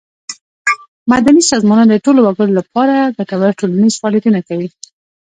مدني سازمانونه د ټولو وګړو له پاره ګټور ټولنیز فعالیتونه کوي.